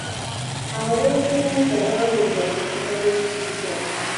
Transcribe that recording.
Abeesenza baagobebwa ku ttaka ly'ekibira.